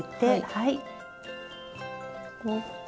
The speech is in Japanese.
はい。